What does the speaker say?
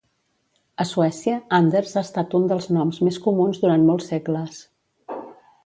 A Suècia, Anders ha estat un dels noms més comuns durant molts segles